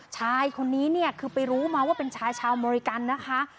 ชายคนนี้เนี่ยคือไปรู้มาว่าเป็นชายชาวอเมริกันนะคะ